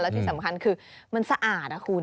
ที่สำคัญคือมันสะอาดนะคุณ